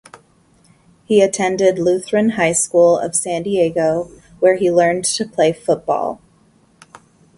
He attended Lutheran High School of San Diego where he learned to play football.